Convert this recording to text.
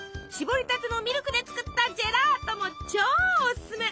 搾りたてのミルクで作ったジェラートも超おすすめ。